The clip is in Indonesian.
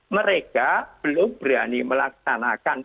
mereka belum berani melaksanakan